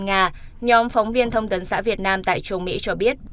nhóm phóng viên thông tấn xã việt nam tại châu mỹ cho biết